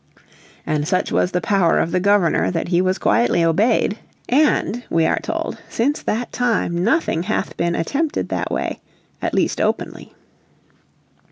And such was the power of the Governor that he was quietly obeyed, "and," we are told, "since that time nothing hath been attempted that way, at least openly."